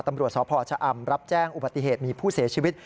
ตำรวจสพชะอำรับแจ้งอุบัติเหตุมีผู้เสียชีวิต